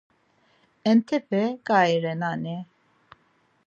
Entepe ǩai renani?